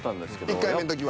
１回目の時は。